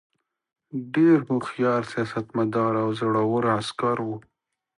ډېر هوښیار سیاستمدار او زړه ور عسکر وو.